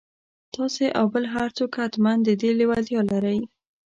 تاسې او بل هر څوک حتماً د دې لېوالتيا لرئ.